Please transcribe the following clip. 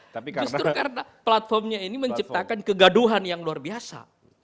justru karena platformnya ini menciptakan kegaduhan yang luar biasa